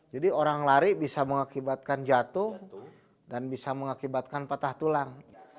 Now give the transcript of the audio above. jadi orang lari bisa mengakibatkan jatuh dan bisa mengakibatkan patah tulang